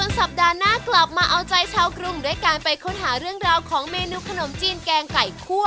สัปดาห์หน้ากลับมาเอาใจชาวกรุงด้วยการไปค้นหาเรื่องราวของเมนูขนมจีนแกงไก่คั่ว